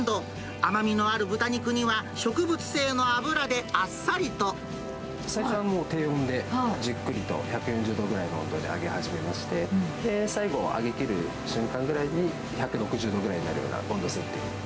甘みのある豚肉には、最初は低温でじっくりと、１４０度ぐらいの温度で揚げ始めまして、最後、揚げ切る瞬間ぐらいに、１６０度ぐらいになるような温度設定に。